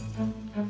dek aku mau ke sana